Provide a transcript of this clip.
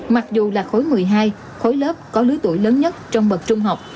mặc dù là khối một mươi hai khối lớp có lứa tuổi lớn nhất trong bậc trung học